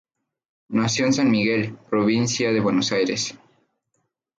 Nació en San Miguel, provincia de Buenos Aires.